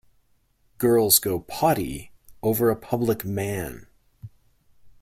Girls go potty over a public man.